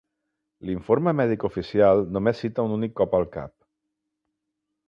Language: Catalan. L'informe mèdic oficial només cita un únic cop al cap.